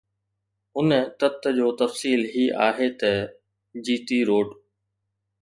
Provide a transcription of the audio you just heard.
ان تت جو تفصيل هي آهي ته جي ٽي روڊ